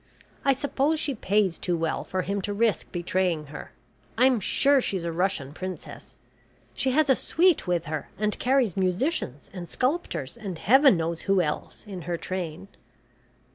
I suppose she pays too well for him to risk betraying her. I'm sure she's a Russian Princess; she has a suite with her, and carries musicians and sculptors, and heaven knows who else, in her train."